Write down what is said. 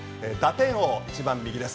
打点王、一番右です